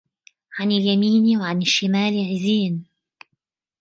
عَنِ الْيَمِينِ وَعَنِ الشِّمَالِ عِزِينَ